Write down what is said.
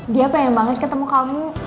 dia pengen banget ketemu kamu